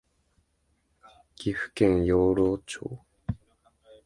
岐阜県養老町